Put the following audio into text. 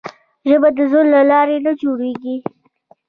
ژبه د زور له لارې نه جوړېږي.